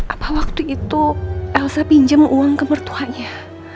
apa waktu itu elsa pinjam uang ke mertuanya